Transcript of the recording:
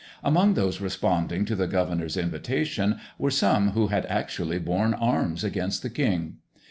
Among those responding to the governor's invitation were some who had actually borne arms against the king.